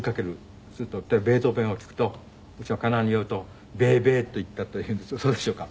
例えばベートーヴェンを聴くとうちの家内によると「ベーベー」と言ったというんですがそうでしょうか。